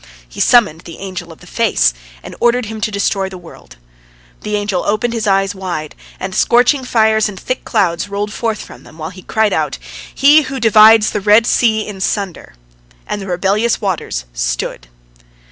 He summoned the Angel of the Face, and ordered him to destroy the world. The angel opened his eyes wide, and scorching fires and thick clouds rolled forth from them, while he cried out, "He who divides the Red Sea in sunder!"—and the rebellious waters stood.